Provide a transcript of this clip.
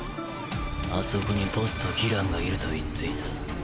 あそこにボスと義爛がいると言っていた。